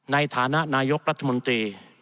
ในฐานะนายกรัฐมนตรี